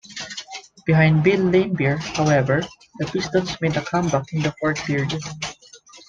Behind Bill Laimbeer, however, the Pistons made a comeback in the fourth period.